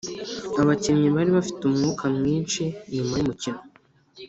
abakinnyi bari bafite umwuka mwinshi nyuma yumukino.